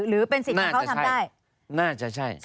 หรือเป็นสิทธิ์ที่เขาทำได้